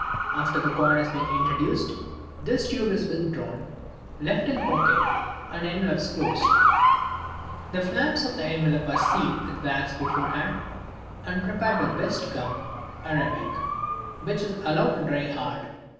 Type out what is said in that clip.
After the coin has been introduced this tube is withdrawn, left in the pocket, and the envelopes closed. Fig. 9. Packet of Three Envelopes. The flaps of the envelopes are sealed with wax beforehand and prepared with best gum arabic, which is allowed to dry hard.